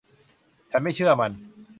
ฉันไม่เชื่อมัน